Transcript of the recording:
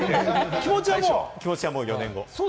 気持ちはもう４年後。